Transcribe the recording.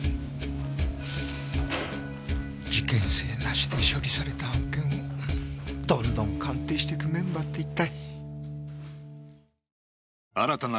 事件性なしで処理された案件をどんどん鑑定してくメンバーって一体。